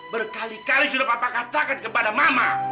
berkali kali sudah bapak katakan kepada mama